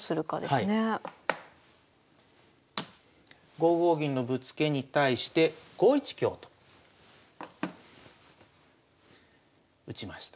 ５五銀のぶつけに対して５一香と打ちました。